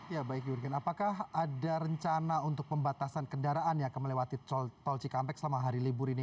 ya baik jurgen apakah ada rencana untuk pembatasan kendaraan yang akan melewati tol cikampek selama hari libur ini